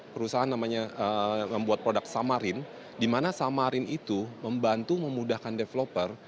perusahaan namanya membuat produk samarin di mana samarin itu membantu memudahkan developer